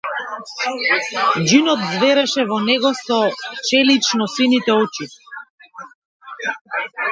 Џинот ѕвереше во него со челичносините очи.